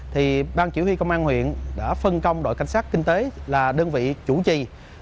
thì ban chỉ huy công an huyện đã phân công đội cảnh sát kinh tế là đơn vị chủ trì